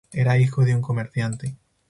Era hijo de un comerciante.